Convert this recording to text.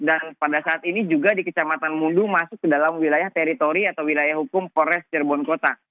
dan pada saat ini juga di kecamatan mundu masuk ke dalam wilayah teritori atau wilayah hukum forest cirebon kota